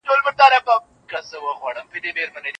خو هغه ته یوازې مینه او ډوډۍ ورکړل شوه.